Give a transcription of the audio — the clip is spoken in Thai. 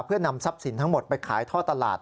เพื่อนำทรัพย์สินทั้งหมดไปขายท่อตลาด